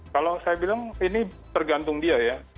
kalau saya bilang ini tergantung dia ya